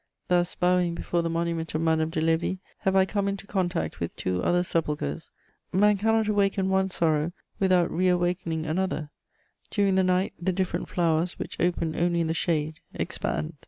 Thus, bowing before the monument of Madame de Lévis, have I come into contact with two other sepulchres: man cannot awaken one sorrow without reawakening another; during the night, the different flowers which open only in the shade expand.